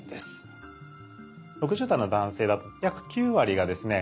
６０代の男性だと約９割がですね